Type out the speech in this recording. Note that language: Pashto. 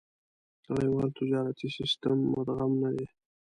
نړيوال تجارتي سېسټم مدغم نه دي.